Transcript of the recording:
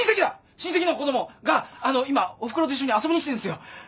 親戚の子供があの今おふくろと一緒に遊びに来てんすよ。